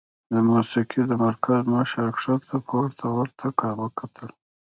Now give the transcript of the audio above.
د موسيقۍ د مرکز مشر ښکته پورته ورته وکتل